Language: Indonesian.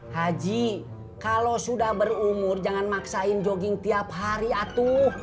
haji kalau sudah berumur jangan maksain jogging tiap hari atu